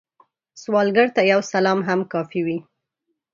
سوالګر ته یو سلام هم کافی وي